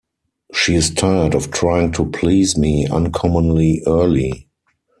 She is tired of trying to please me uncommonly early.